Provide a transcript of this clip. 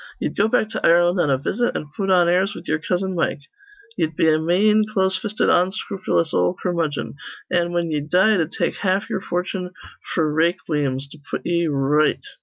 Ye'd go back to Ireland on a visit, an' put on airs with ye'er cousin Mike. Ye'd be a mane, close fisted, onscrupulous ol' curmudgeon; an', whin ye'd die, it'd take haf ye'er fortune f'r rayqueems to put ye r right.